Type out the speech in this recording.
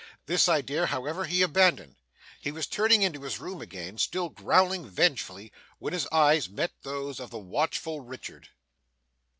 This idea, however, he abandoned. He was turning into his room again, still growling vengefully, when his eyes met those of the watchful Richard.